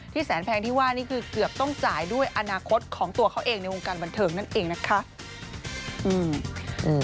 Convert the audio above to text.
แสนแพงที่ว่านี่คือเกือบต้องจ่ายด้วยอนาคตของตัวเขาเองในวงการบันเทิงนั่นเองนะคะ